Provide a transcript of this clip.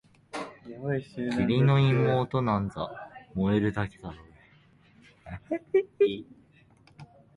義理の妹なんざ萌えるだけだろうがあ！